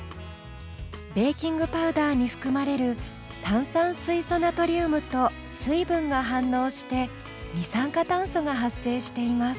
ベーキングパウダーに含まれる炭酸水素ナトリウムと水分が反応して二酸化炭素が発生しています。